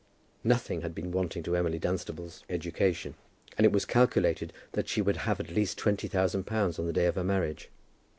Nothing had been wanting to Emily Dunstable's education, and it was calculated that she would have at least twenty thousand pounds on the day of her marriage.